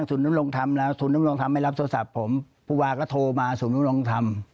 ศูนย์นำลงทำไม่รับโทรศัพท์ผมผู้ว่าก็โทรมาศูนย์นำลงทำ